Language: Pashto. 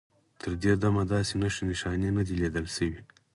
تر دې دمه داسې نښې نښانې نه دي لیدل شوي.